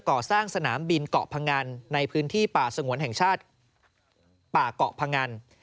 ก่อสร้างสนามบินเกาะพงันในพื้นที่ป่าสงวนแห่งชาติป่าเกาะพงัน